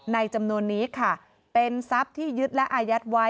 จำนวนนี้ค่ะเป็นทรัพย์ที่ยึดและอายัดไว้